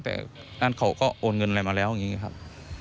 แต่นั่นเขาก็โอนเงินอะไรมาแล้วอย่างนี้ครับ